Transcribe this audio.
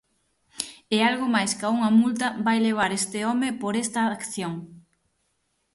E algo máis ca unha multa vai levar este home por esta acción.